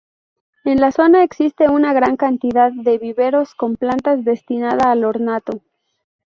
En la zona existe una gran cantidad de viveros con plantas destinada al ornato.